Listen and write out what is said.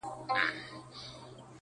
o يوه خبره د بلي خور ده!